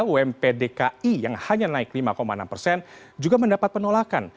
ump dki yang hanya naik lima enam persen juga mendapat penolakan